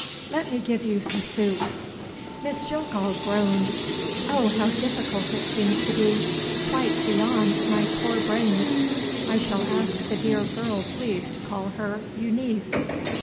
Let me give you some soup." Miss Jillgall groaned. "Oh, how difficult it seems to be! Quite beyond my poor brains! I shall ask the dear girl's leave to call her Euneece.